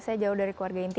saya jauh dari keluarga inti